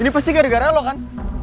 ini pasti gara gara loh kan